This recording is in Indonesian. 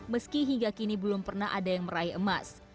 meski hingga kini belum pernah ada yang meraih emas